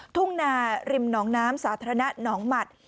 ทุ่งนาริมหนองน้ำสาธารณะหนองหมัด